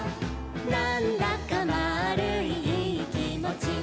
「なんだかまぁるいいいきもち」